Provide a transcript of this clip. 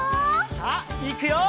さあいくよ！